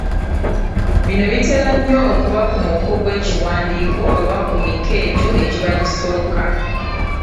Bino bitera nnyo okuba ku muko gw’ekiwandiiko oba ku miko egyo egiba gisooka.